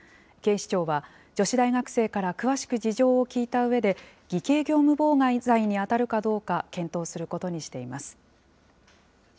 警視庁は、女子大学生から詳しく事情を聴いたうえで、偽計業務妨害罪に当たるかどうか、検討することにしています。